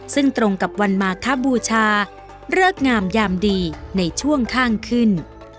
ซึ่งตรงกับวันมาคบูชาเลิกงามยามดีในช่วงข้างขึ้น